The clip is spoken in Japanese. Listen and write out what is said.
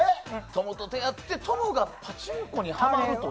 トムと出会ってトムがパチンコにハマるると。